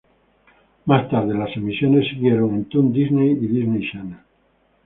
Más tarde las emisiones seguido en Toon Disney y Disney Channel.